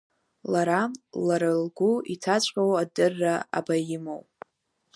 Лара, лара лгәы иҭаҵәҟьоу адырра абаимоу?